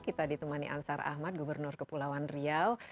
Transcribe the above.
kita ditemani ansar ahmad gubernur kepulauan riau